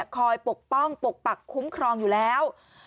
ปกป้องปกปักคุ้มครองอยู่แล้ว